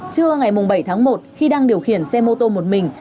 trưa ngày bảy tháng một khi đang điều khiển xe mô tô một mình